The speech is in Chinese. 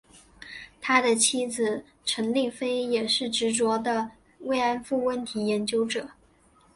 他的妻子陈丽菲也是执着的慰安妇问题研究者。